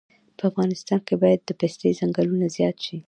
په افغانستان کې باید د پستې ځنګلونه زیات شي